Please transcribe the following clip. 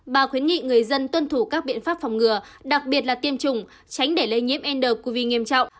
bà khuyến nghị người dân tuân thủ các biện pháp phòng ngừa đặc biệt là tiêm chủng tránh để lây nhiễm ncov nghiêm trọng